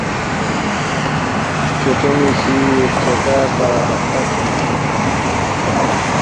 ہرژے پونی سی ہرژے کار لا لقپہ تھینگنہ